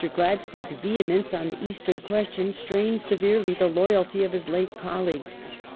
Gladstone's vehemence on the Eastern question strained severely the loyalty of his late colleagues.